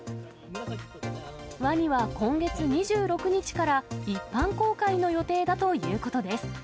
ワニは今月２６日から一般公開の予定だということです。